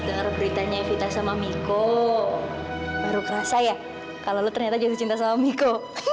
dengar beritanya evita sama miko baru kerasa ya kalau lo ternyata jatuh cinta sama miko